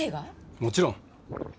もちろん。